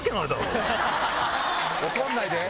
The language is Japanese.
怒んないで！